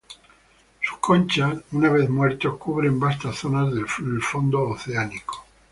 Sus conchas, una vez muertos, cubren vastas zonas del fondo oceánico.